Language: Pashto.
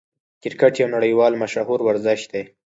کرکټ یو نړۍوال مشهور ورزش دئ.